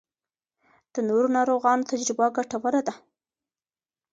د نورو ناروغانو تجربه ګټوره ده.